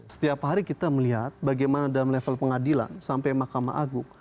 setiap hari kita melihat bagaimana dalam level pengadilan sampai mahkamah agung